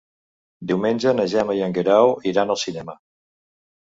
Diumenge na Gemma i en Guerau iran al cinema.